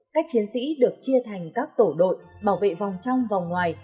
các chiến sĩ được chia thành các tổ đội bảo vệ vòng trong vòng ngoài